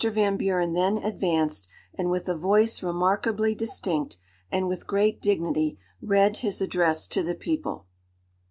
Van Buren then advanced, and with a voice remarkably distinct, and with great dignity, read his address to the people.